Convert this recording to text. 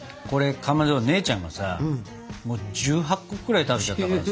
かまど姉ちゃんがさ１８個くらい食べちゃったからさ。